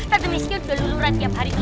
tante miski udah luluran tiap hari